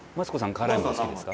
辛いのお好きですか？